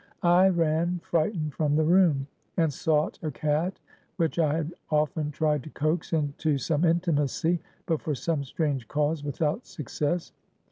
I ran frightened from the room; and sought a cat, which I had often tried to coax into some intimacy, but, for some strange cause, without success.